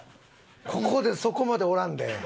ここでそこまでおらんで。